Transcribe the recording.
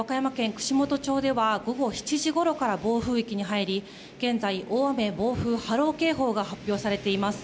串本町では午後７時ごろから暴風域に入り現在、大雨・暴風波浪警報が発表されています。